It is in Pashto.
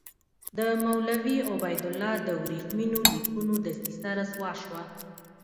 د مولوي عبیدالله د ورېښمینو لیکونو دسیسه رسوا شوه.